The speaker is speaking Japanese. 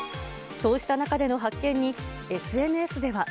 そうした中での発見に、ＳＮＳでは。